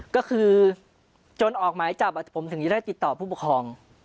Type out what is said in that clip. ก็คือจนออกหมายจับผมถึงจะได้ติดต่อผู้ปกครอง